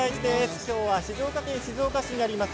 今日は静岡県静岡市にあります